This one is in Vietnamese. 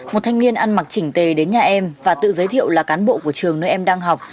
một thanh niên ăn mặc chỉnh tề đến nhà em và tự giới thiệu là cán bộ của trường nơi em đang học